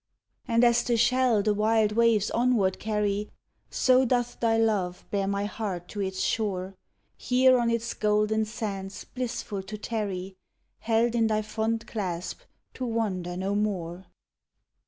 And as the shell the wild waves onward carry, So doth thy love bear my heart to its shore! Here on its golden sands blissful to tarry Held in thy fond clasp to wander no more!